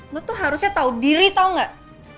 lo tuh harusnya tau diri tau gak